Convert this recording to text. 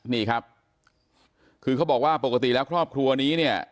นี่ครับคือเขาบอกว่าปกติแล้วครอบครัวนี้เนี่ย